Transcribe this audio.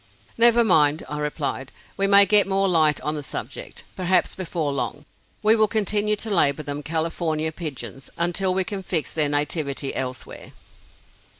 "Never mind," I replied, "we may get more light on the subject, perhaps, before long. We will continue to label them 'California Pigeons' until we can fix their nativity elsewhere."